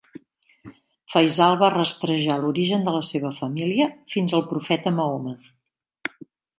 Faisal va rastrejar l'origen de la seva família fins al profeta Mahoma.